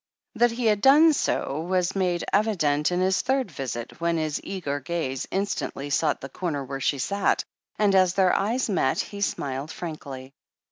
That he had done so was made evident in his third visit, when his eager gaze instantly sought the comer where she sat, and as their eyes met, he smiled frankly.